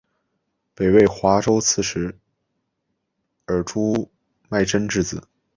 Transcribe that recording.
北魏华州刺史尔朱买珍之子。